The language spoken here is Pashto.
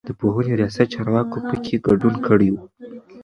د پوهنې رياست چارواکو په کې ګډون کړی و.